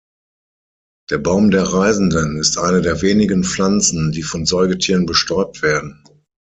Der Baum der Reisenden ist eine der wenigen Pflanzen, die von Säugetieren bestäubt werden.